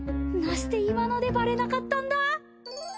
なして今のでバレなかったんだ？